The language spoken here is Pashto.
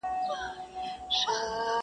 زه پوهېږم په دوږخ کي صوبه دار دئ؛